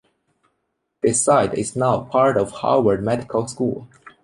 This site is now part of Harvard Medical School.